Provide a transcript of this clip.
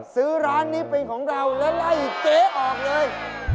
ซื้อร้านนี้เป็นของเราแล้วไล่เจ๊ออกเลย